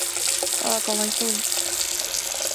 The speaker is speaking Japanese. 嗚呼可哀想に